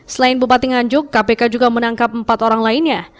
selain bupati nganjuk kpk juga menangkap empat orang lainnya